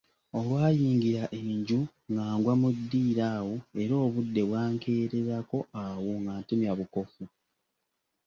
Olwayingira enju nga ngwa mu ddiiro awo era obudde bwankeererako awo nga ntemya bukofu.